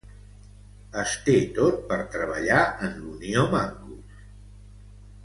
Es té tot per treballar en l'Unio Mancus.